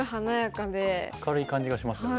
明るい感じがしますよね。